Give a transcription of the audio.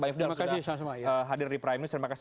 banyak sudah hadir di prime news terima kasih